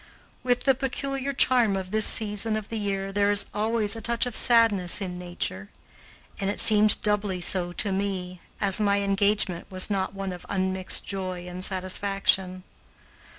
With the peculiar charm of this season of the year there is always a touch of sadness in nature, and it seemed doubly so to me, as my engagement was not one of unmixed joy and satisfaction.